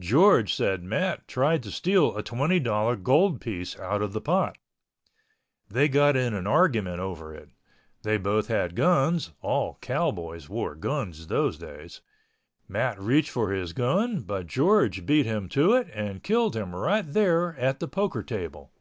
George said Matt tried to steal a twenty dollar gold piece out of the pot. They got in an argument over it. They both had guns (all cowboys wore guns those days)—Matt reached for his gun but George beat him to it and killed him right there at the poker table.